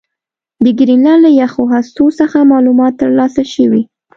د ګرینلنډ له یخي هستو څخه معلومات ترلاسه شوي